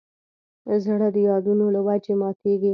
زړه د یادونو له وجې ماتېږي.